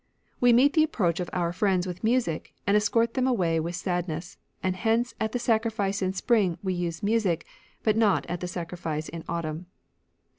We meet the approach of our friends with music, and escort them away with sadness, and hence at the sacrifice in spring we use music, but not at the sacrifice in autumn."